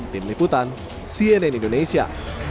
tim liputan cnn indonesia